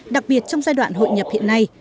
đặc biệt trong giai đoạn hội nhập hiện nay